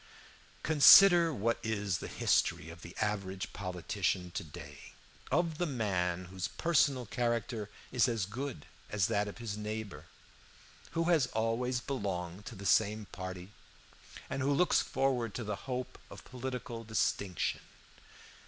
"Consider what is the history of the average politician to day, of the man whose personal character is as good as that of his neighbor, who has always belonged to the same party, and who looks forward to the hope of political distinction.